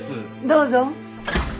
どうぞ。